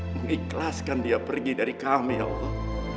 mengikhlaskan dia pergi dari kami allah